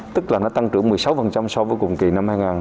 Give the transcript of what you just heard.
tức là nó tăng trưởng một mươi sáu so với cùng kỳ năm hai nghìn hai mươi